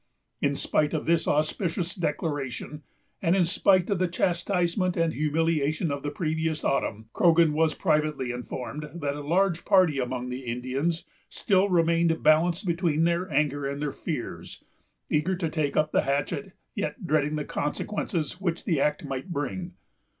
In spite of this auspicious declaration, and in spite of the chastisement and humiliation of the previous autumn, Croghan was privately informed that a large party among the Indians still remained balanced between their anger and their fears; eager to take up the hatchet, yet dreading the consequences which the act might bring.